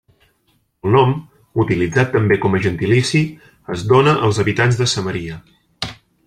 El nom, utilitzat també com a gentilici, es dóna als habitants de Samaria.